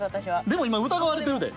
でも今疑われてるで。